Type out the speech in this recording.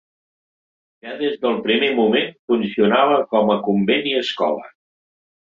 Ja des del primer moment funcionava com a convent i escola.